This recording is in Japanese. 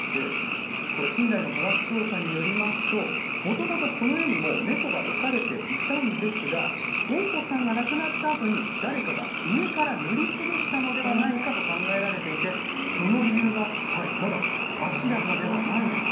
近代の科学調査によりますともともと、この絵にも猫が描かれていたんですがゴッホさんが亡くなったあとに誰かが上から塗りつぶしたのではないかと考えられていてその理由がまだ明らかではないんです。